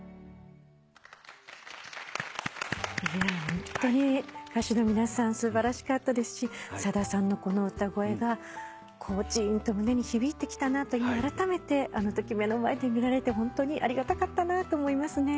ホントに歌手の皆さん素晴らしかったですしさださんのこの歌声がジーンと胸に響いてきたなと今あらためてあの時目の前で見られてホントにありがたかったなと思いますね。